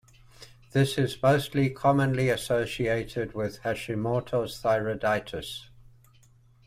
This is most commonly associated with Hashimoto's thyroiditis.